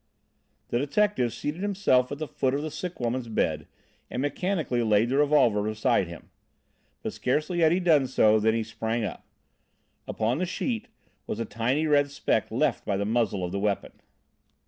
The detective seated himself at the foot of the sick woman's bed and mechanically laid the revolver beside him. But scarcely had he done so when he sprang up. Upon the sheet was a tiny red speck left by the muzzle of the weapon.